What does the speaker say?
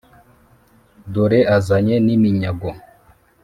dore azanye n’iminyago,